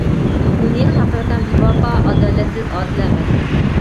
دۇنيا ھەقىقەتەن بىۋاپا، ئادالەتسىز، ئادىل ئەمەس.